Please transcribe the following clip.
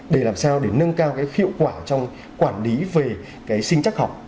để làm sao để nâng cao cái hiệu quả trong quản lý về cái sinh chắc học